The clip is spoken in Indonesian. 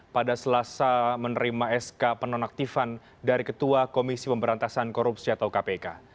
pada selasa menerima sk penonaktifan dari ketua komisi pemberantasan korupsi atau kpk